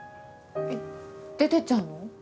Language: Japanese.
えっ出てっちゃうの？